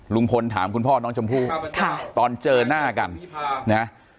ลุงพลถามคุณพ่อน้องชมพู่ตอนเจอหน้ากันนะ